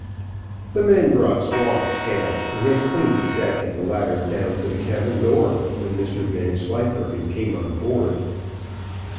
The men brought swabs aft, and had cleaned the deck and the ladder down to the cabin door, when Mr Vanslyperken came on board.